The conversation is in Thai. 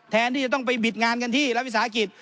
ที่จะต้องไปบิดงานกันที่รัฐวิสาหกิจ